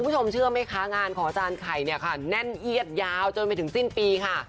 คุณผู้ชมเชื่อไหมคะงานของอาจารย์ไข่เนี่ยค่ะแน่นเอียดยาวจนไปถึงสิ้นปีค่ะ